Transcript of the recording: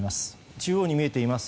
中央に見えています